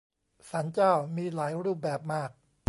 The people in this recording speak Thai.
ศาลเจ้า มีหลายรูปแบบมาก